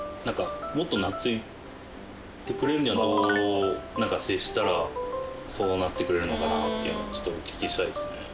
もっと懐いてくれるにはどう接したらそうなってくれるのかなっていうのをお聞きしたいっすね。